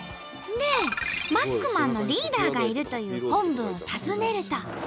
でマスクマンのリーダーがいるという本部を訪ねると。